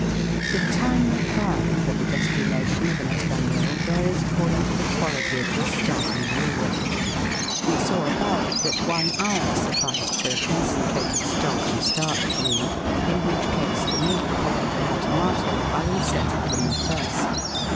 The time required for the despumation of an Espagnole varies according to the quality of the stock and roux. We saw above that one hour sufficed for a concentrated stock and starch roux, in which case the Mirepoix and the tomato are inserted from the first.